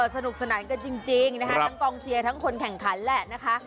สนุกสนานกันจริงนะคะทั้งกองเชียร์ทั้งคนแข่งขันแหละนะคะ